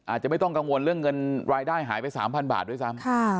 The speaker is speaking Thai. อาจจะไม่ต้องกังวลเรื่องเงินรายได้หายไป๓๐๐บาทด้วยซ้ำ